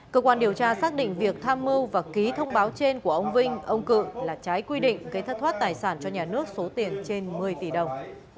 cơ quan điều tra xác định việc tham mưu và ký thông báo trên của ông vinh ông cự là trái quy định gây thất thoát tài sản cho nhà nước số tiền trên một mươi tỷ đồng